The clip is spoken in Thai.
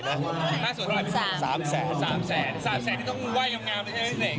๓แสนที่ต้องไหว้อย่างงามเลยใช่ไหมเด็ก